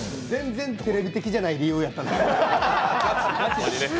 全然テレビ的じゃない理由やったな。